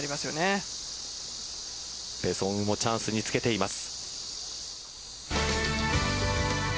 ペ・ソンウもチャンスにつけています。